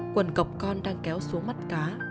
quần cọc con đang kéo xuống mắt cá